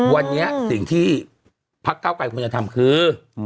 วันนี้สิ่งที่พักเก้าไกรควรจะทำคือ